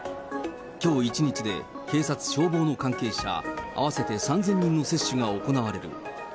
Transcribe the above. きょう一日で警察、消防の関係者合わせて３０００人の接種が行われる。